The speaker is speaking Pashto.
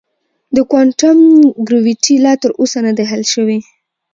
د کوانټم ګرویټي لا تر اوسه نه دی حل شوی.